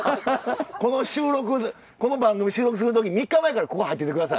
この収録この番組収録する時３日前からここ入ってて下さい。